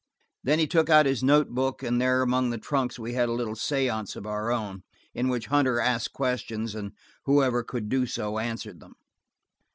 Then he took out his note took and there among the trunks we had a little seance of our own, in which Hunter asked questions, and whoever could do so answered them.